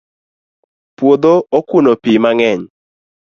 puodho okuno pi mangeny